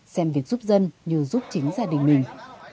xem việc giúp dân như giúp chính gia đình mình